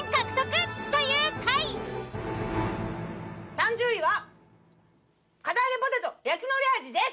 ３０位は堅あげポテト焼きのり味です。